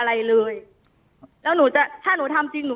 แต่คุณยายจะขอย้ายโรงเรียน